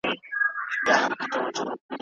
آرزو مې زړه کې په سلګو شوه ته به کله راځې